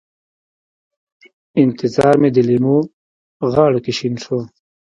انتظار مې د لېمو غاړو کې شین شو